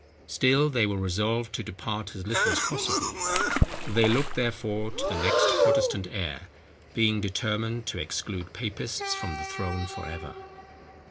Still they were resolved to depart as little as possible. They looked therefore to the next Protestant heir, being determined to exclude papists from the throne for ever.